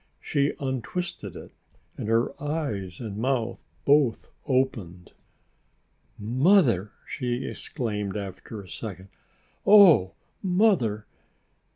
She untwisted it and her eyes and mouth both opened. "Mother!" she exclaimed after a second, "oh, Mother! Mother!